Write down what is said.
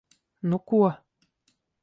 Nu ko...